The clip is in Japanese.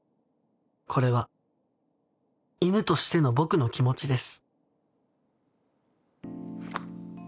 これは犬としての僕の気持ちです」。